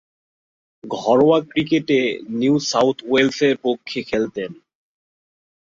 ঘরোয়া ক্রিকেটে New South ওয়েলসের পক্ষে খেলতেন।